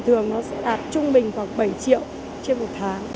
bình thường nó sẽ đạt trung bình khoảng bảy triệu trên một tháng